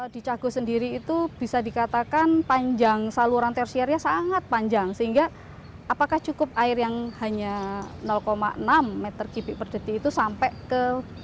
di cagu sendiri itu bisa dikatakan panjang saluran tersiernya sangat panjang sehingga apakah cukup air yang hanya enam meter kipik per detik itu sampai ke